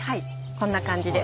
こんな感じで。